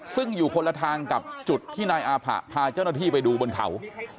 ซึ่งอยู่คนละทางกับจุดที่นายอาผะพาเจ้าหน้าที่ไปดูบนเขา